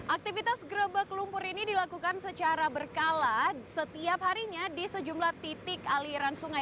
aktivitas gerebek lumpur ini dilakukan secara berkala setiap harinya di sejumlah titik aliran sungai